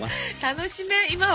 楽しめ今を。